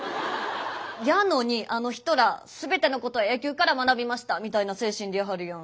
やのにあの人ら「全てのことを野球から学びました」みたいな精神でいはるやん。